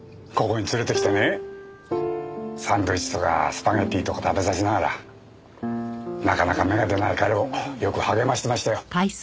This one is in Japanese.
ここに連れて来てねサンドイッチとかスパゲティとか食べさせながらなかなか芽が出ない彼をよく励ましてましたよ。